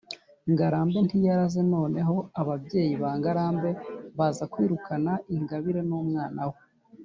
ngarambe ntiyaraze. noneho ababyeyi ba ngarambe baza kwirukana ingabire n’umwana we